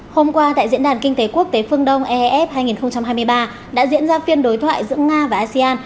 hôm qua tại diễn đàn kinh tế quốc tế phương đông ef hai nghìn hai mươi ba đã diễn ra phiên đối thoại giữa nga và asean